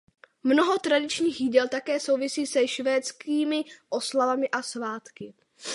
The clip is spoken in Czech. Mnoho tradičních jídel také souvisí se švédskými oslavami a svátky.